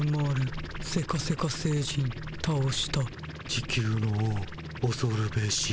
地球の王おそるべし。